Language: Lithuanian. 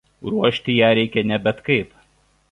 Ruošti ją reikia ne bet kaip.